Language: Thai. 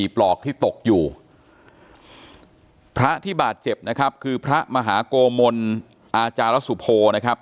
ปลอกที่ตกอยู่พระที่บาดเจ็บนะครับคือพระมหาโกมลอาจารสุโพนะครับ